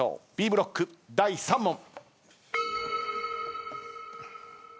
Ｂブロック第３問。